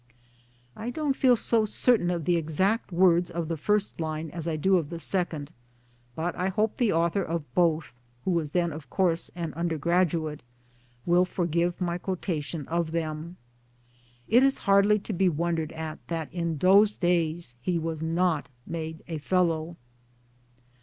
I don't feel so certain of the exact words of the first lifre as I do of the second, but I hope the author of both (who was then, of course, an undergraduate) will forgive my quotation of them 1 . It is hardly to be wondered at that in those days he was not made a Fellow